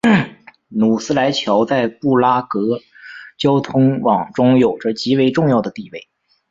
努斯莱桥在布拉格交通网中有着极为重要的地位。